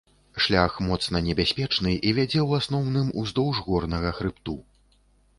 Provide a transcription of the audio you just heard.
Шлях моцна небяспечны і вядзе ў асноўным уздоўж горнага хрыбту.